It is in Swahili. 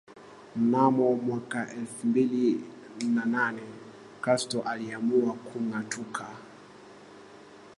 Mnamo mwaka wa elfu mbili na nane Castro aliamua kungatuka